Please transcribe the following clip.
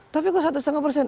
tapi kok satu lima persen